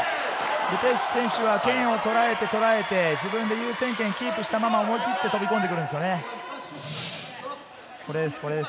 ル・ペシュ選手は剣をとらえてとらえて、自分で優先権をキープしたまま思い切って飛び込んでくるんです。